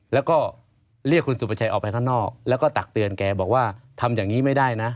แล้วก็เรียกคุณสุประชัยออกไปข้างนอกแล้วก็ตักเตือนแกบอกว่าทำอย่างนี้ไม่ได้นะ